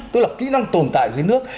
tức là kỹ năng tồn tại dưới nước